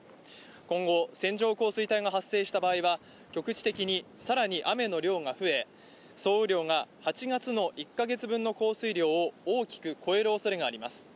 今後、線状降水帯が発生した場合は局地的に更に雨の量が増え、総雨量が８月の１か月分の降水量を大きく超えるおそれがあります。